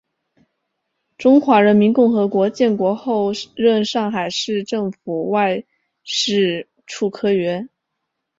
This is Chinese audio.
中华人民共和国建国后任上海市政府外事处科员。